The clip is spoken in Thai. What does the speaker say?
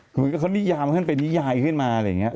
เหมือนกับเขานิยามขึ้นเป็นนิยายขึ้นมาอะไรอย่างนี้